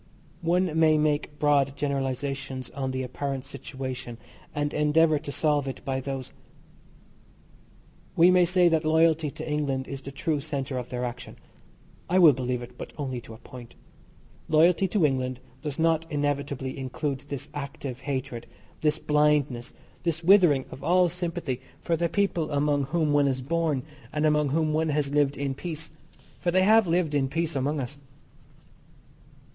One may make broad generalisations on the apparent situation and endeavour to solve it by those. We may say that loyalty to England is the true centre of their action. I will believe it, but only to a point. Loyalty to England does not inevitably include this active hatred, this blindness, this withering of all sympathy for the people among whom one is born, and among whom one has lived in peace, for they have lived in peace amongst us.